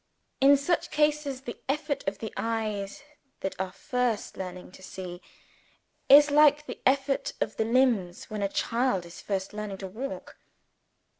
In such cases, the effort of the eyes that are first learning to see, is like the effort of the limbs when a child is first learning to walk.